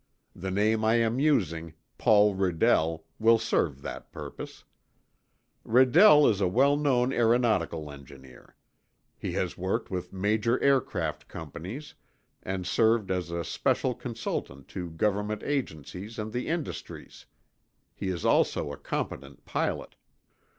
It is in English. The name I am using, Paul Redell, will serve that purpose. Redell is a well known aeronautical engineer. He has worked with major aircraft companies and served as a special consultant to government agencies and the industries. He is also a competent pilot.